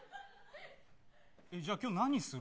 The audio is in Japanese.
じゃあ今日何する。